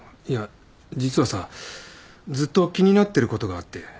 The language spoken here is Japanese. いや実はさずっと気になってることがあって。